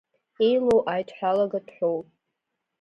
Еилоу аидҳәалагатә ҳәоу…